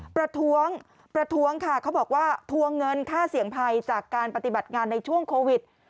ประท้วงค่ะเขาบอกว่าทวงเงินค่าเสี่ยงภัยจากการปฏิบัติงานในช่วงโควิด